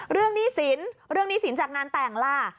หนี้สินเรื่องหนี้สินจากงานแต่งล่ะ